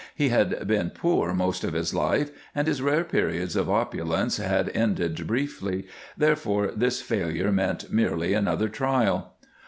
He had been poor most of his life, and his rare periods of opulence had ended briefly, therefore this failure meant merely another trial.